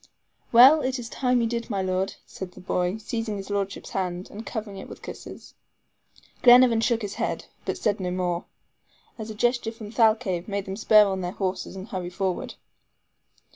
"Well, it is time you did, my Lord," said the boy, seizing his lordship's hand, and covering it with kisses. Glenarvan shook his head, but said no more, as a gesture from Thalcave made them spur on their horses and hurry forward.